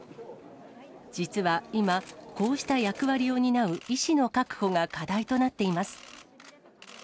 実は今、こうした役割を担う医師の確保が課題となっています。